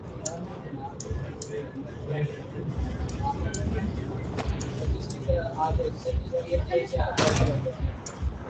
He became only the fifth schoolboy to achieve this feat.